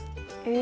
え。